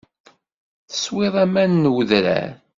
Teswiḍ aman n wedrar.